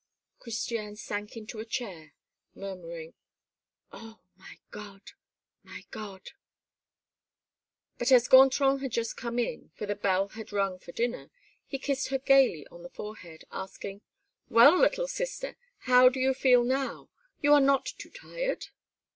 Christiane sank into a chair, murmuring: "Oh! my God! my God!" But, as Gontran had just come in, for the bell had rung for dinner, he kissed her gaily on the forehead, asking: "Well, little sister, how do you feel now? You are not too tired?"